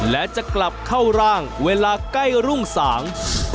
และจะกลับเข้าร่างเวลาใกล้รุ่งสาง